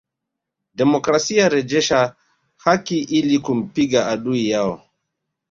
Demokrasia rejesha haki ili kumpiga adui yao